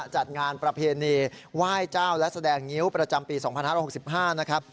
จัดงานประเพณีไหว้เจ้าและแสดงงิ้วประจำปี๒๕๖๕นะครับ